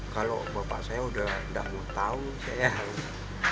kalau bapak saya sudah tidak mau tahu saya harus